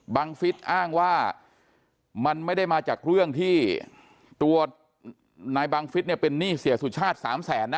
ฟิศอ้างว่ามันไม่ได้มาจากเรื่องที่ตัวนายบังฟิศเนี่ยเป็นหนี้เสียสุชาติ๓แสนนะ